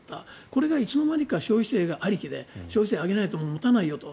これがいつのまにか消費税ありきで消費税を上げないともう持たないよと。